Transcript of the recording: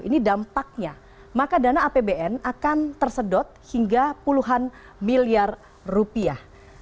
ini dampaknya maka dana apbn akan tersedot hingga puluhan miliar rupiah